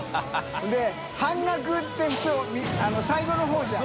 修譴半額って普通最後の方じゃん。